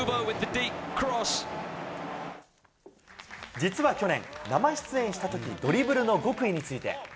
実は去年、生出演したとき、ドリブルの極意について。